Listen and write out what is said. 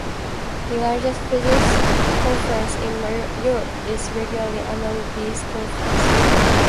The largest physics conference in Europe is regularly among these conferences.